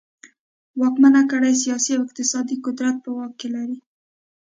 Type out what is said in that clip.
واکمنه کړۍ سیاسي او اقتصادي قدرت په واک کې لري.